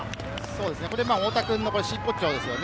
太田君の真骨頂ですね。